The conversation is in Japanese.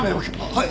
はい。